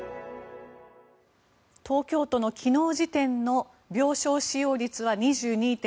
東京都の昨日時点の病床使用率は２２．６％